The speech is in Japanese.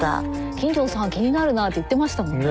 金城さん気になるなって言ってましたもんね